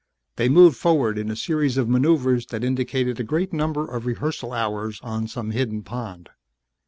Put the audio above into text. They moved forward in a series of maneuvers that indicated a great number of rehearsal hours on some hidden pond.